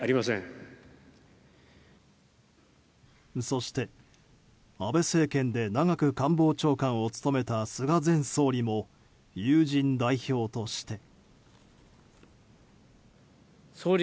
そして安倍政権で長く官房長官を務めた菅前総理も友人代表として。